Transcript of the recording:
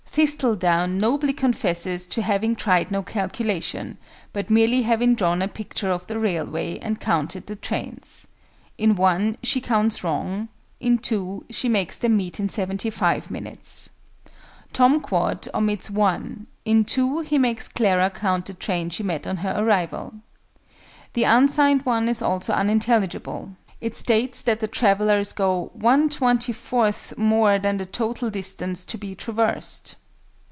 THISTLEDOWN nobly confesses to having tried no calculation, but merely having drawn a picture of the railway and counted the trains; in (1), she counts wrong; in (2) she makes them meet in 75 minutes. TOM QUAD omits (1): in (2) he makes Clara count the train she met on her arrival. The unsigned one is also unintelligible; it states that the travellers go "1 24th more than the total distance to be traversed"!